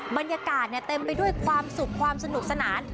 บรรยากาศเต็มไปด้วยความสุขความสนุกสนาน